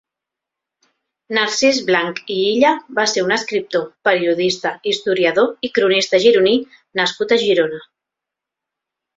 Narcís Blanch i Illa va ser un escriptor, periodista, historiador i cronista gironí nascut a Girona.